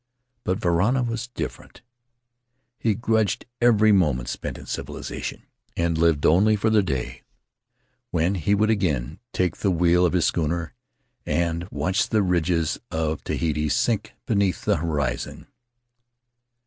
But Varana was different; he grudged every His Mother's People moment spent in civilization and lived only for the day when he would again take the wheel of his schooner and watch the ridges of Tahiti sink beneath the horizon.